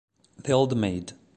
The Old Maid